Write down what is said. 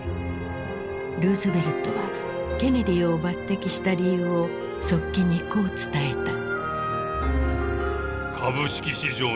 ルーズベルトはケネディを抜てきした理由を側近にこう伝えた。